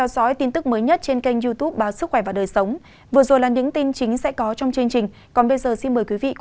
cảm ơn các bạn đã theo dõi